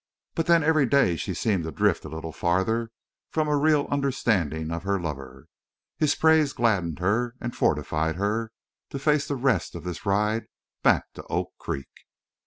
But then every day she seemed to drift a little farther from a real understanding of her lover. His praise gladdened her, and fortified her to face the rest of this ride back to Oak Creek.